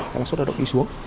thì nó suốt đợt đi xuống